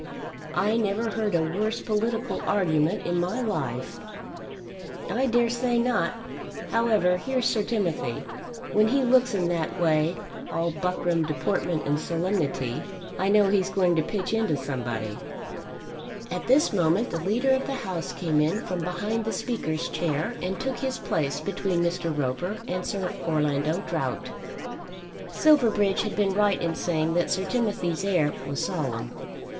"I never heard a worse political argument in my life." "I dare say not. However, here's Sir Timothy. When he looks in that way, all buckram, deportment, and solemnity, I know he's going to pitch into somebody." At this moment the Leader of the House came in from behind the Speaker's chair and took his place between Mr. Roper and Sir Orlando Drought. Silverbridge had been right in saying that Sir Timothy's air was solemn.